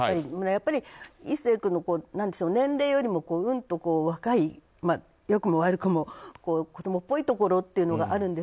やっぱり壱成君の年齢よりもうんと若い良くも悪くも子供っぽいところがあるので。